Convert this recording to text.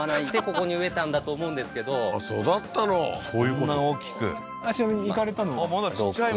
こんな大きく？